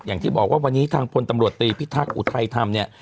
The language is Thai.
อย่างที่บอกว่าวันนี้ทางพลตำรวจตรีพิทักษ์อุทัยธรรมเนี่ย